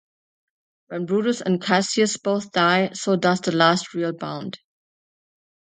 When Brutus and Cassius both die, so does the last real bond.